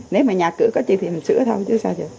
nếu mà nhà cửa có chuyện thì mình sửa thôi chứ sao chứ